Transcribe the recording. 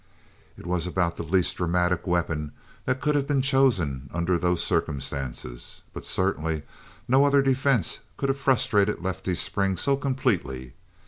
It was about the least dramatic weapon that could have been chosen under those circumstances, but certainly no other defense could have frustrated Lefty's spring so completely.